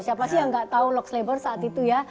siapa sih yang tidak tahu sxlabor saat itu ya